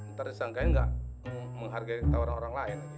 ntar disangkain gak menghargai kita orang orang lain